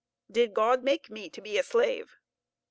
Did God make me to be a slave?